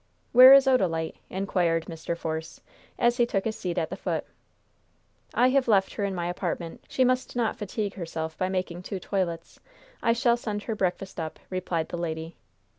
"Where is Odalite?" inquired Mr. Force, as he took his seat at the foot. "I have left her in my apartment. She must not fatigue herself by making two toilets. I shall send her breakfast up," replied the lady.